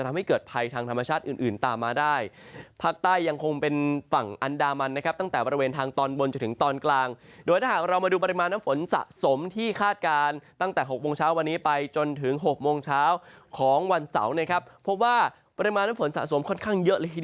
เต้นตอนกลางโดยถ้าเรามาดูปริมาณน้ำฝน